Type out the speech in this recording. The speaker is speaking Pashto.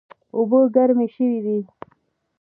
اوبه ګرمې شوې دي